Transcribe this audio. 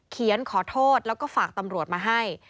เขียนขอโทษแล้วก็ฝากตำรวจมาให้